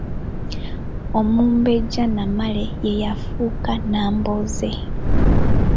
Omumbejja Namale ye yafuuka Nnambooze.